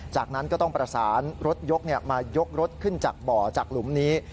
จากนั้นก็ต้องประสานรถยกมายกรถขึ้นจากบ่อจากหลุมนี้